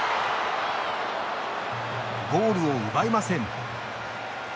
ゴールを奪えません。